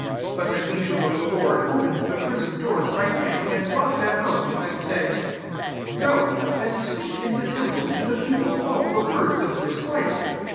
19 But an angel of the Lord open ed the prison doors by night, and brought them out, and said, 20 ^ Oo, stand and speak in the temple to the people all the words of this life."